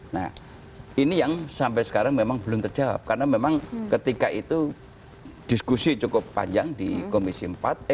nah ini yang sampai sekarang memang belum terjawab karena memang ketika itu diskusi cukup panjang di komisi empat